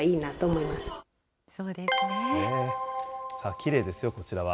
きれいですよ、こちらは。